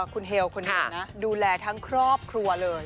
คุณแหลวคุณแหลวนะดูแลทั้งครอบครัวเลย